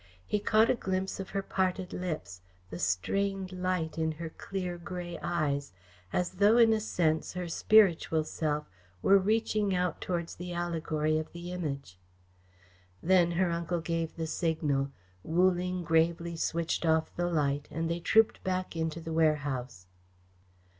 He caught a glimpse of her parted lips, the strained light in her clear, grey eyes, as though in a sense her spiritual self were reaching out towards the allegory of the Image. Then her uncle gave the signal. Wu Ling gravely switched off the light and they trooped back into the warehouse.